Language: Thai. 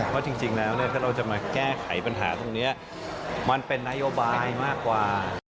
เพราะจริงแล้วถ้าเราจะมาแก้ไขปัญหาตรงนี้มันเป็นนโยบายมากกว่า